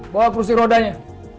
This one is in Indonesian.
bawa kerusi rodanya